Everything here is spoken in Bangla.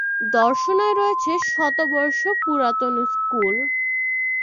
দর্শনায় রয়েছে শতবর্ষ পুরাতন স্কুল।